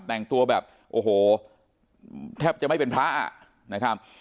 แต่งตัวแบบโอ้โหแทบจะไม่เป็นพระอ่ะนะครับ